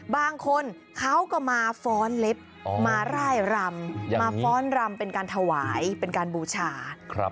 บางคนเขาก็มาฟ้อนเล็บมาร่ายรำมาฟ้อนรำเป็นการถวายเป็นการบูชา